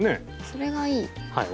それがいい。